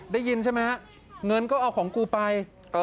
ได้ยินใช่ไหมฮะเงินก็เอาของกูไป